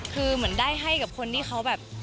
คือเหมือนได้ให้กับคนที่เขาแบบ